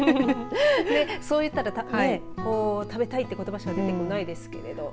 そう言ったら食べたいってことばしか出てこないですけど。